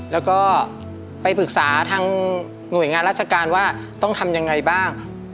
แล้วก็ไปปรึกษาทางหน่วยงานราชการว่าต้องทำยังไงบ้าง